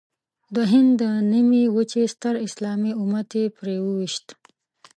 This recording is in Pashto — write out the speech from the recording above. د هند د نیمې وچې ستر اسلامي امت یې پرې وويشت.